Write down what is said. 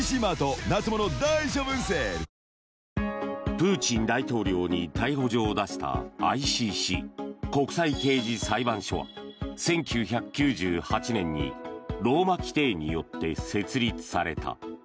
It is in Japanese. プーチン大統領に逮捕状を出したＩＣＣ・国際刑事裁判所は１９９８年にローマ規程によって設立された。